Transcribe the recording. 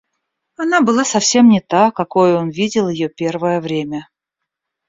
Она была совсем не та, какою он видел ее первое время.